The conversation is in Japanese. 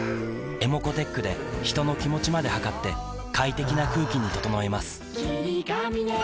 ｅｍｏｃｏーｔｅｃｈで人の気持ちまで測って快適な空気に整えます